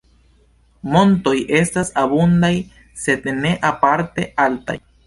Montoj estas abundaj sed ne aparte altaj.